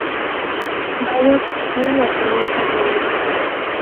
Bauer era de ascendencia judía.